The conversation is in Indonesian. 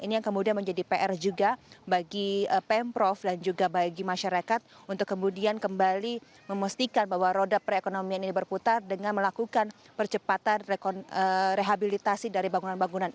ini yang kemudian menjadi pr juga bagi pemprov dan juga bagi masyarakat untuk kemudian kembali memastikan bahwa roda perekonomian ini berputar dengan melakukan percepatan rehabilitasi dari bangunan bangunan